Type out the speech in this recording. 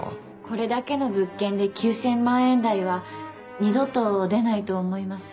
これだけの物件で９，０００万円台は二度と出ないと思います。